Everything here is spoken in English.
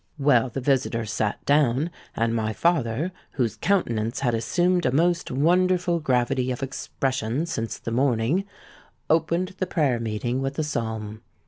"Well, the visitors sate down; and my father, whose countenance had assumed a most wonderful gravity of expression since the morning, opened the prayer meeting with a psalm.